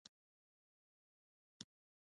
د بادغیس په اب کمري کې د څه شي نښې دي؟